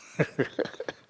ハハハハ。